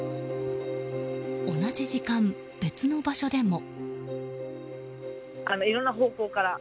同じ時間、別の場所でも。